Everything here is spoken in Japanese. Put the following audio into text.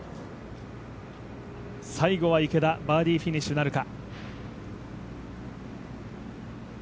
最後は池田、バーディーフィニッシュなるか。